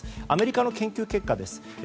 アメリカの研究結果です。